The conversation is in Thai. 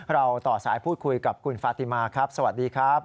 เราต่อสายพูดคุยกับคุณฟาติมาครับสวัสดีครับ